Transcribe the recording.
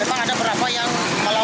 memang ada beberapa yang melawan arah